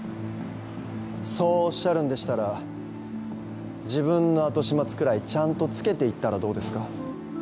そうおっしゃるんでしたら自分の後始末くらいちゃんとつけて行ったらどうですか？